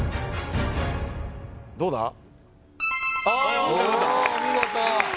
お見事。